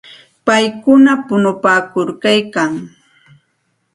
Paykuna punupaakuykalkan.